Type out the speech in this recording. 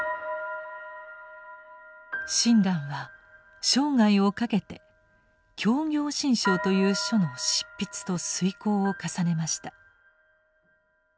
親鸞は生涯をかけて「教行信証」という書の執筆と推こうを重ねました。